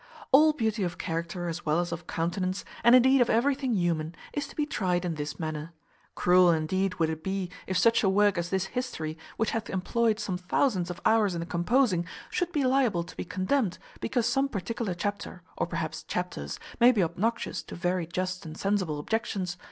All beauty of character, as well as of countenance, and indeed of everything human, is to be tried in this manner. Cruel indeed would it be if such a work as this history, which hath employed some thousands of hours in the composing, should be liable to be condemned, because some particular chapter, or perhaps chapters, may be obnoxious to very just and sensible objections.